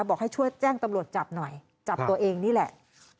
บอกให้ช่วยแจ้งตำรวจจับหน่อยจับตัวเองนี่แหละ